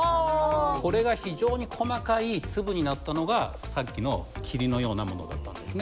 これが非常に細かい粒になったのがさっきの霧のようなものだったんですね。